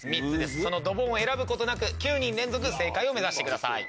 そのドボンを選ぶことなく９人連続正解を目指してください。